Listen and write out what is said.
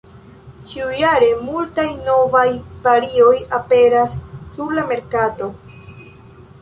Ĉiujare multaj novaj varioj aperas sur la merkato.